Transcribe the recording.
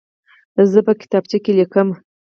زه په کتابچه کې لیکم.